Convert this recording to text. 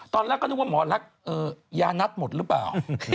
ตอนแรกก็นึกว่าหมอรักยานัทหมดหรือเปล่า